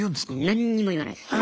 何にも言わないっす。